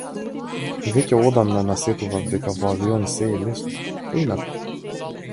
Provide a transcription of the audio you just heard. Веќе одамна насетував дека во авион сѐ е лесно, поинакво.